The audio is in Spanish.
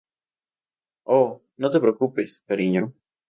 Oh, no te preocupes, cariño.